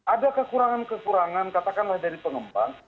ada kekurangan kekurangan katakanlah dari pengembang